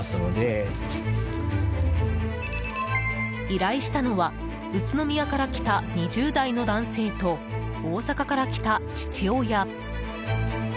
依頼したのは宇都宮から来た２０代の男性と大阪から来た父親。